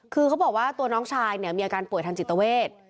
คือเขาบอกว่าตัวน้องชายเนี่ยมีอาการป่วยทางจิตเวท